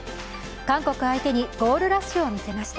韓国相手にゴールラッシュを見せました。